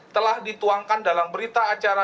telah dituangkan dalam berita acara